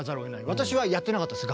私はやってなかったです